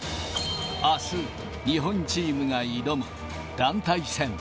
あす、日本チームが挑む団体戦。